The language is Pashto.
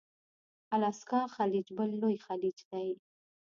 الاسکا خلیج بل لوی خلیج دی.